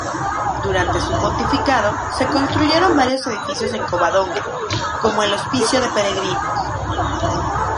Durante su pontificado se construyeron varios edificios en Covadonga, como el hospicio de peregrinos.